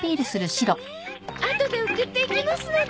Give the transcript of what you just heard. あとで送っていきますので。